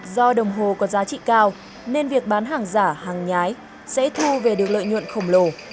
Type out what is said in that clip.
do đồng hồ có giá trị cao nên việc bán hàng giả hàng nhái sẽ thu về được lợi nhuận khổng lồ